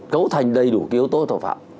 cấu thành đầy đủ cái yếu tố tội phạm